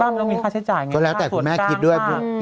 บ้านมันต้องมีค่าใช้จ่ายไงส่วนข้างค่ะ